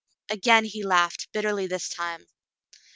Again he laughed, bitterly this time.